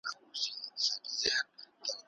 ډیپلوماسي د بشریت راتلونکی ژغوري.